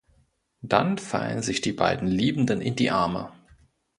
Dann fallen sich die beiden Liebenden in die Arme.